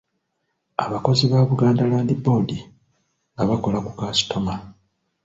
Abakozi ba Buganda Land Board nga bakola ku kasitoma.